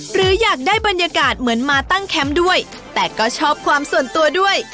หรืออยากได้บรรยากาศเหมือนมาตั้งแคมป์ด้วยแต่ก็ชอบความส่วนตัวด้วย